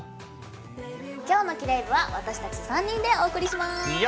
今日のキレイ部は私たち３人でお送りします